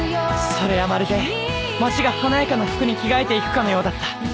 それはまるで街が華やかな服に着替えていくかのようだった